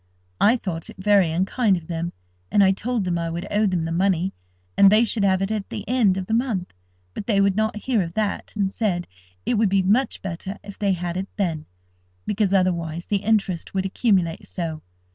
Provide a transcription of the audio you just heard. I thought it very unkind of them, and I told them I would owe them the money, and they should have it at the end of the month. But they would not hear of that, and said it would be much better if they had it then, because otherwise the interest would accumulate so.